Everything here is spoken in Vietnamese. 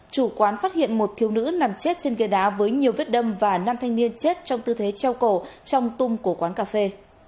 chủ quán phát hiện một thiếu nữ nằm chết trên ghế đá với nhiều vết đâm và nam thanh niên chết trong tư thế treo cổ trong tung của quán cà phê